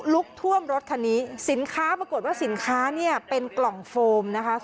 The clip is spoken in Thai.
ลุกท่วมรถคันนี้สินค้าปรากฏว่าสินค้าเนี่ยเป็นกล่องโฟมนะคะ